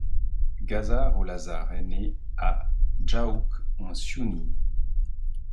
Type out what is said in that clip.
Ghazar ou Lazare est né à Djahouk en Siounie.